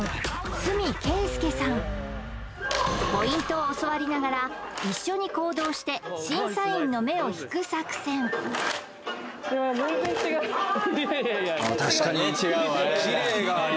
ポイントを教わりながら一緒に行動して審査員の目を引く作戦ああ